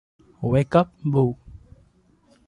Wake Up Boo!